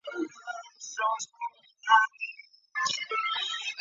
巴士总站位于车站北侧外的一楼。